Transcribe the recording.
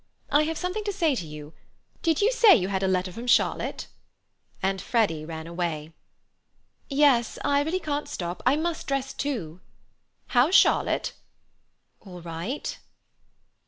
I have something to say to you. Did you say you had had a letter from Charlotte?" and Freddy ran away. "Yes. I really can't stop. I must dress too." "How's Charlotte?" "All right."